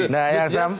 dari seribu km